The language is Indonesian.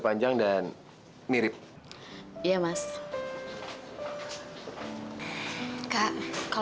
tante juga harus mikirin tante sendiri